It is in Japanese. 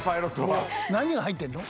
何が入ってるの？